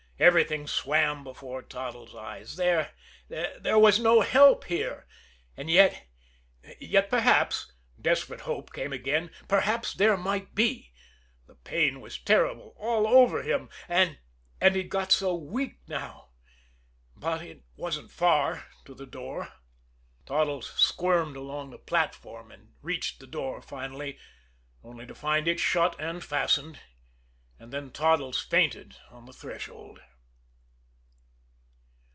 Everything swam before Toddles' eyes. There there was no help here. And yet yet perhaps desperate hope came again perhaps there might be. The pain was terrible all over him. And and he'd got so weak now but it wasn't far to the door. Toddles squirmed along the platform, and reached the door finally only to find it shut and fastened. And then Toddles fainted on the threshold.